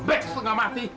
bek setengah mati